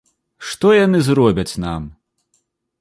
Што яны зробяць нам!